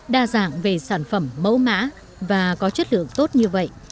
đa dạng về sản phẩm mẫu mã và có chất lượng tốt như vậy